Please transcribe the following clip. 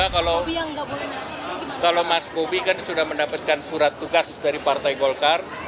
kalau mas bobi kan sudah mendapatkan surat tugas dari partai golkar